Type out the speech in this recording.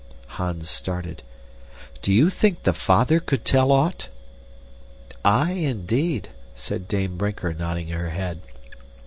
'" Hans started. "Do you think the father could tell aught?" "Aye, indeed," said Dame Brinker, nodding her head.